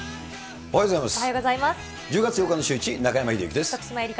おはようございます。